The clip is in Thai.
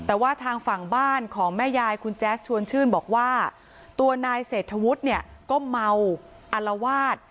แต่ว่าทางฝั่งบ้านของแม่ยายคุณแจ๊สชวนชื่นบอกว่าตัวนายเศรษฐวุฒิเนี่ยก็เมาอลวาด